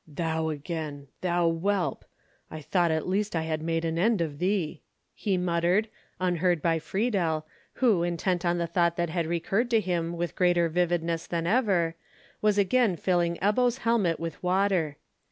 "Thou again,—thou whelp! I thought at least I had made an end of thee," he muttered, unheard by Friedel, who, intent on the thought that had recurred to him with greater vividness than ever, was again filling Ebbo's helmet with water.